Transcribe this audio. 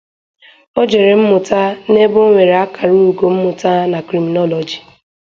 Ọ jere mmụta na ebe O nwere akara ugo mmụta na Criminology.